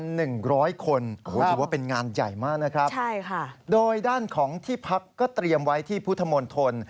ถือว่าเป็นงานใหญ่มากนะครับโดยด้านของที่พักก็เตรียมไว้ที่พุทธมนต์ทน